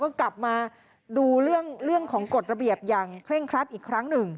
ก็กลับมาดูเรื่องของกฎระเบียบอย่างเคร่งครัดอีกครั้งหนึ่ง